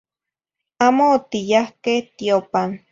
Amo otiyahque tiopan.